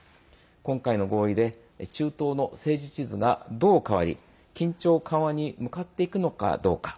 今回の合意で中東の政治地図がどう変わり緊張緩和に向かっていくのかどうか。